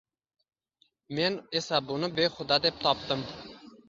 Men esa buni behuda deb topdim: